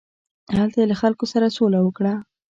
هلته یې له خلکو سره سوله وکړه.